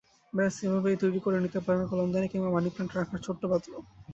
ব্যস, এভাবেই তৈরি করে নিতে পারেন কলমদানি, কিংবা মানিপ্ল্যান্ট রাখার ছোট্ট পাত্র।